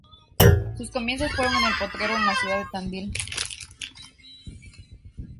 Sus comienzos fueron en el potrero en la ciudad de tandil.